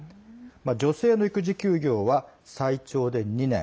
女性の育児休業は最長で２年。